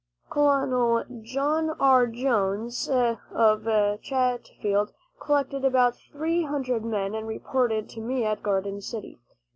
Col. John R. Jones of Chatfield collected about three hundred men, and reported to me at Garden City.